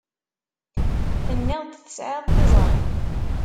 Tenniḍ-d tesɛiḍ tiẓri.